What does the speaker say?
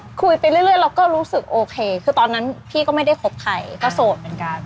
คุยไปเรื่อยเราก็รู้สึกโอเคคือตอนนั้นพี่ก็ไม่ได้คบใครก็โสดเหมือนกัน